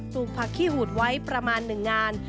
ลูกผักขี้หูดไว้ประมาณ๑งาน